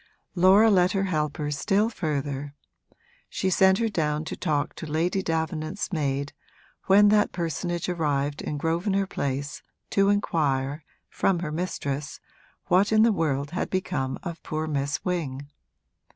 Laura let her help her still further; she sent her down to talk to Lady Davenant's maid when that personage arrived in Grosvenor Place to inquire, from her mistress, what in the world had become of poor Miss Wing.